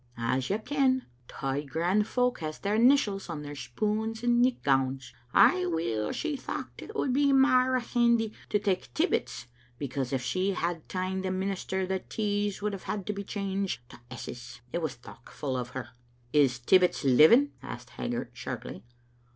As you ken, thae grand folk has their initials on their spoons and nicht gowns. Ay, weel, she thocht it would be mair handy to take Tibbets, because if she had ta'en the minister the T"s would have had to be changed to S's, It was thoctfu* o' her." " Is Tibbets living?" asked Haggart sharply.